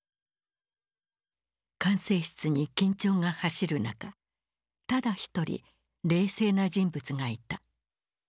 管制室に緊張が走る中ただ一人冷静な人物がいた。